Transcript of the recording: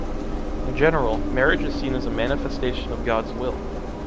In general, marriage is seen as a manifestation of God’s will.